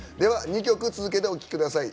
２曲続けてお聴きください。